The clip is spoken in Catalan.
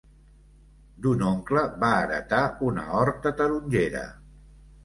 D'un oncle va heretar una horta tarongera.